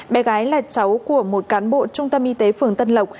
bé gái là cháu của một cán bộ trung tâm y tế phường tân lộc